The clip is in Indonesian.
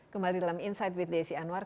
kembali dalam insight with desi anwar